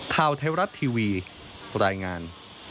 ข่าวไทยรัฐทีวีรายงาน